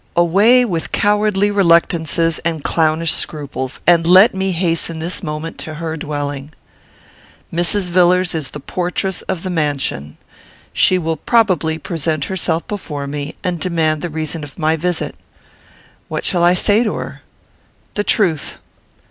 Away with cowardly reluctances and clownish scruples, and let me hasten this moment to her dwelling. Mrs. Villars is the portress of the mansion. She will probably present herself before me, and demand the reason of my visit. What shall I say to her? The truth.